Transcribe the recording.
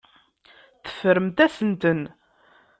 Teffremt-asent-ten.